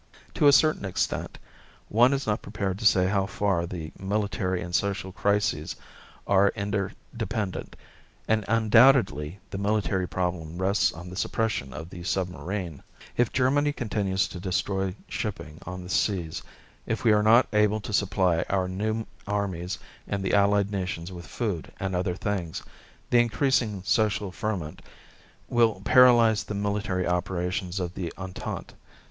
To a certain extent, one is not prepared to say how far, the military and social crises are interdependent. And undoubtedly the military problem rests on the suppression of the submarine. If Germany continues to destroy shipping on the seas, if we are not able to supply our new armies and the Allied nations with food and other things, the increasing social ferment will paralyze the military operations of the Entente.